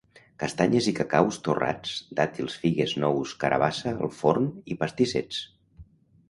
Castanyes i cacaus torrats, dàtils, figues, nous, carabassa al forn i pastissets.